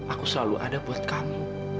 aku selalu ada buat kami